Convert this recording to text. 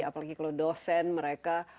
apalagi kalau dosen mereka